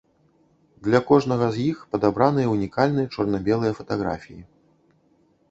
Для кожнага з іх падабраныя унікальныя чорна-белыя фатаграфіі.